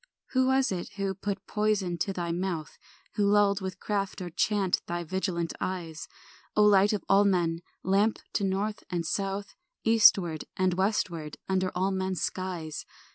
2 Who was it, who, put poison to thy mouth, Who lulled with craft or chant thy vigilant eyes, O light of all men, lamp to north and south, Eastward and westward, under all men's skies?